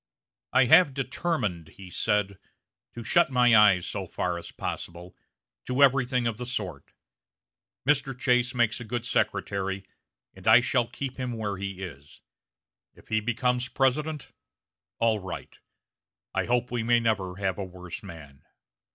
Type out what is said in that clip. "I have determined," he said, "to shut my eyes, so far as possible, to everything of the sort. Mr. Chase makes a good secretary, and I shall keep him where he is. If he becomes President, all right. I hope we may never have a worse man."